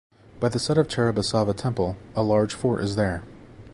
By the side of Charabasava Temple A Large Fort is there.